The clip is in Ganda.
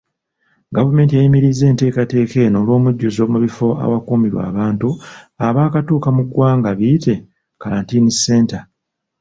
Gavumenti yayimiriza enteekateeka eno olw'omujjuzo mubifo awakuumirwa abantu abaakatuuka mu ggwanga biyite kalantiini centre.